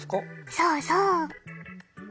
そうそう。